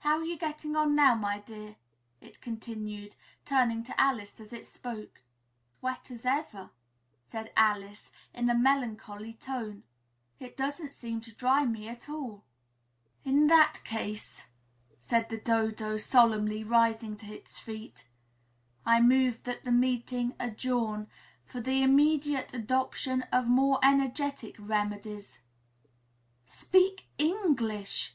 How are you getting on now, my dear?" it continued, turning to Alice as it spoke. "As wet as ever," said Alice in a melancholy tone; "it doesn't seem to dry me at all." "In that case," said the Dodo solemnly, rising to its feet, "I move that the meeting adjourn, for the immediate adoption of more energetic remedies " "Speak English!"